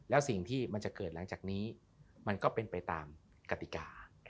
แล้วสิ่งที่มันจะเกิดหลังจากนี้มันก็เป็นไปตามกติกา